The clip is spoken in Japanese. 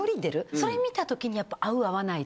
それ見た時にやっぱ合う合わないとか。